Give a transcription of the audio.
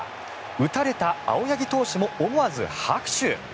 打たれた青柳投手も思わず拍手。